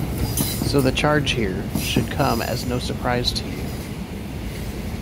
So the charge here should come as no surprise to you.